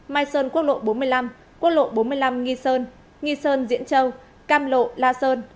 mai sơn quốc lộ bốn mươi năm quốc lộ bốn mươi năm nghi sơn nghi sơn diễn châu cam lộ la sơn